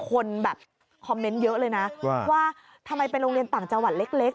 คนแบบคอมเมนต์เยอะเลยนะว่าทำไมไปโรงเรียนต่างจังหวัดเล็ก